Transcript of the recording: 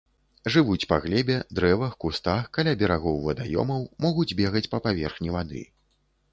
Жывуць па глебе, дрэвах, кустах, каля берагоў вадаёмаў, могуць бегаць па паверхні вады.